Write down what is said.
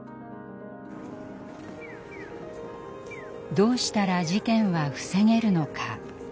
どうしたら事件は防げるのか。